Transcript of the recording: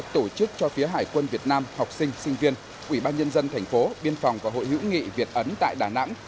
tổ chức cho phía hải quân việt nam học sinh sinh viên ủy ban nhân dân thành phố biên phòng và hội hữu nghị việt ấn tại đà nẵng